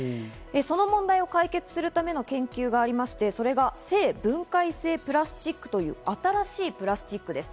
その問題を解決するための研究がありまして、それが生分解性プラスチックという新しいプラスチックです。